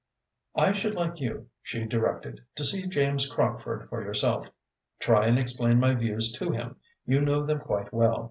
"I should like you," she directed, "to see James Crockford for yourself. Try and explain my views to him you know them quite well.